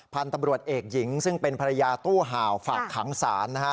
พันธุ์ตำรวจเอกหญิงซึ่งเป็นภรรยาตู้ห่าวฝากขังศาลนะฮะ